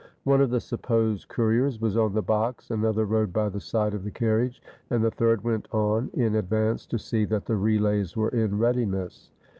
One of the supposed couriers was on the box, another rode by the side of the carriage, and the third went on in advance to see that the relays were in readiness.